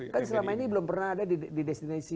kan selama ini belum pernah ada di destinasi